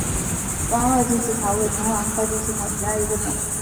弯萼金丝桃为藤黄科金丝桃属下的一个种。